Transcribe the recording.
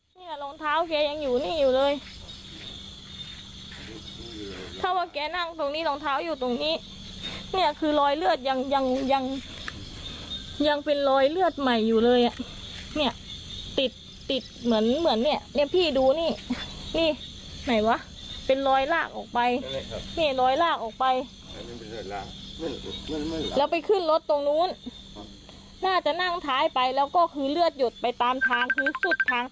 เนี่ยรองเท้าแกยังอยู่นี่อยู่เลยถ้าว่าแกนั่งตรงนี้รองเท้าอยู่ตรงนี้เนี่ยคือรอยเลือดยังยังเป็นรอยเลือดใหม่อยู่เลยอ่ะเนี่ยติดติดเหมือนเหมือนเนี่ยพี่ดูนี่นี่ไหนวะเป็นรอยลากออกไปนี่รอยลากออกไปแล้วไปขึ้นรถตรงนู้นน่าจะนั่งท้ายไปแล้วก็คือเลือดหยดไปตามทางคือสุดทาง